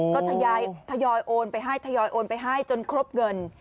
ก็ทยอยโอนไปให้ทยอยโอนไปให้จนครบเงิน